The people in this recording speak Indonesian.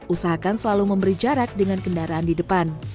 usahakan selalu memberi jarak dengan kendaraan di depan